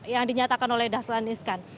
yang dinyatakan oleh dahlan iskan